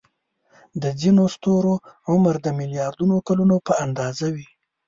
د ځینو ستورو عمر د ملیاردونو کلونو په اندازه وي.